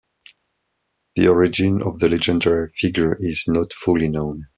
The origin of the legendary figure is not fully known.